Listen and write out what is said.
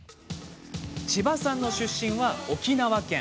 千葉さんの出身は沖縄県。